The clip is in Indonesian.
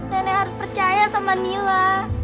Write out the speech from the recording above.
nenek harus percaya sama nila